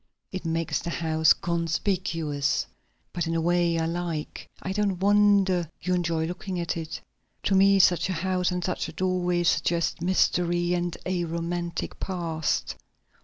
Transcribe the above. It makes the house conspicuous, but in a way I like. I don't wonder you enjoy looking at it. To me such a house and such a doorway suggest mystery and a romantic past.